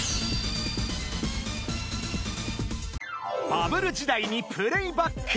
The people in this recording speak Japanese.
［バブル時代にプレーバック］